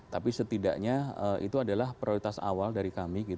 tapi setidaknya itu adalah prioritas awal dari kami